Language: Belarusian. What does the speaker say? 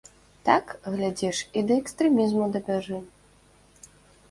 Так, глядзіш, і да экстрэмізму дабяжым.